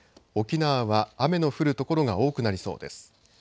沖縄は雨の降る所が多くなりそうです。